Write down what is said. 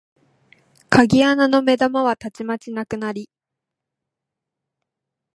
鍵穴の眼玉はたちまちなくなり、